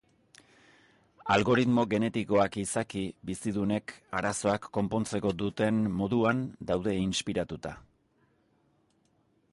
Algoritmo genetikoak izaki bizidunek arazoak konpontzeko duten moduan daude inspiratuta.